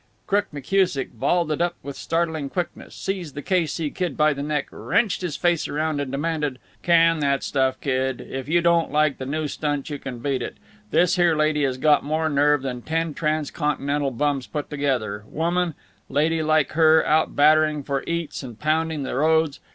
Crook McKusick vaulted up with startling quickness, seized the K. C. Kid by the neck, wrenched his face around, and demanded: "Can that stuff, Kid. If you don't like the new stunt you can beat it. This here lady has got more nerve than ten transcontinental bums put together woman, lady like her, out battering for eats and pounding the roads!